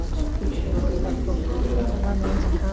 Tenía entonces veinticinco de edad.